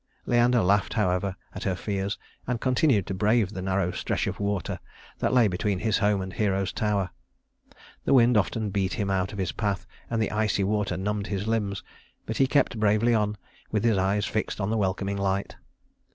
Leander laughed however at her fears and continued to brave the narrow stretch of water that lay between his home and Hero's tower. The wind often beat him out of his path, and the icy water numbed his limbs; but he kept bravely on, with his eyes fixed on the welcoming light.